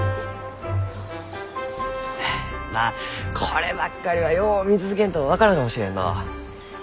フッまあこればっかりはよう見続けんと分からんかもしれんのう。